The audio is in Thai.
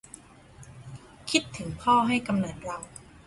คิดถึงพ่อ ให้กำเนิดเรา